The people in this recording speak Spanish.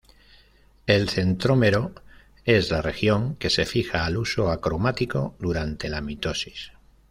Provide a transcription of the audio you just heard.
El centrómero es la región que se fija al huso acromático durante la mitosis.